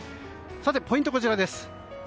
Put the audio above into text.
ポイントはこちらです。